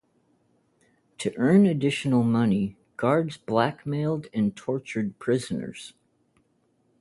To earn additional money, guards blackmailed and tortured prisoners.